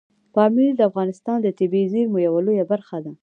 پامیر د افغانستان د طبیعي زیرمو یوه لویه برخه ده.